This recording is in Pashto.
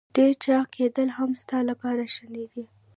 ډېر چاغ کېدل هم ستا لپاره ښه نه دي.